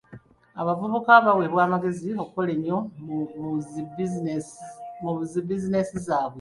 Abavubuka baweebwa amagezi okukola ennyo mu zi bizinensi zaabwe.